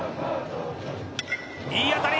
いい当たり！